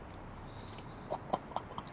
ハハハハ。